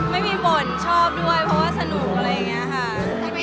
ไม่มีบ่นชอบด้วยเพราะว่าสนุกอะไรอย่างนี้ค่ะ